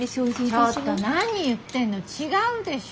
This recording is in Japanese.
ちょっと何言ってんの違うでしょ？